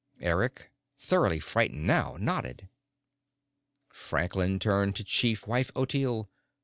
Eric, thoroughly frightened now, nodded. Franklin turned to Chief Wife Ottilie.